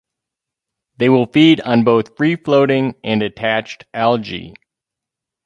They will feed on both free floating and attached algae.